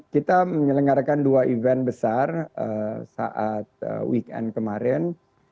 kita menyelenggarakan dua event besar saat weekend kemarin